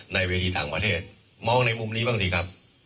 ในเวทีต่างประเทศมองในมุมนี้บ้างดีครับ